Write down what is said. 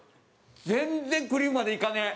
全然クリームまでいかねえ！